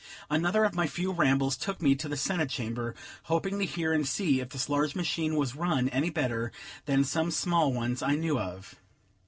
Another of my few rambles took me to the Senate Chamber, hoping to hear and see if this large machine was run any better than some small ones I knew of.